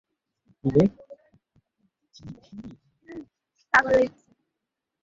ঘুমের মধ্যেই মনে হল আমার ছেলেটা আমার পাশে শুয়ে আছে।